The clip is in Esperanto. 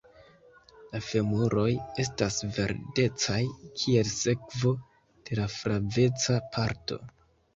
La femuroj estas verdecaj kiel sekvo de la flaveca parto.